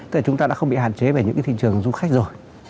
tức là chúng ta đã không bị hạn chế về những cái thị trường du khách rồi